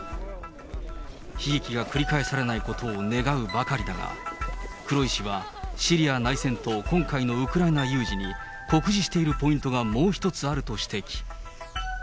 悲劇が繰り返されないことを願うばかりだが、黒井氏は、シリア内戦と今回のウクライナ有事に酷似しているポイントがもう一つあると指摘。